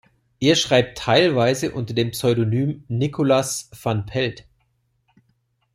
Er schreibt teilweise unter dem Pseudonym "Nicholas van Pelt".